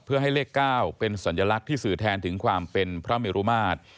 เพื่อให้เลข๙เป็นสัญลักษณ์ที่สื่อแทนถึงความเป็นพระเมรุมาตร